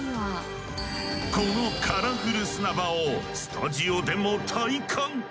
このカラフル砂場をスタジオでも体感。